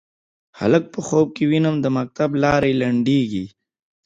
هلک په خوب کې ویني د مکتب لارې لنډیږې